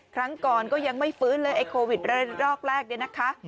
ครั้งก่อนก็ยังไม่ฟื้นเลยไอ้โควิดระรอกแรกเนี่ยนะคะ